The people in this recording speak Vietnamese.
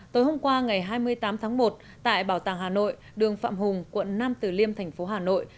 tối hôm qua ngày hai mươi tám tháng một tại bảo tàng hà nội đường phạm hùng quận năm từ liêm thành phố hà nội